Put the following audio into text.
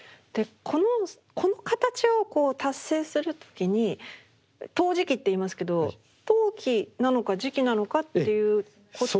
この形をこう達成する時に陶磁器っていいますけど陶器なのか磁器なのかっていうことは。